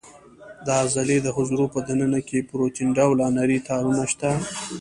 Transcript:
د عضلې د حجرو په دننه کې پروتین ډوله نري تارونه شته.